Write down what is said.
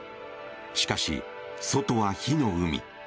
しかし、外は火の海。